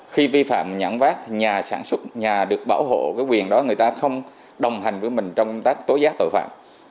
khi vi phạm nhãn vác thì nhà sản xuất nhà được bảo hộ cái quyền đó người ta không đồng hành với mình trong công tác tối giác tội phạm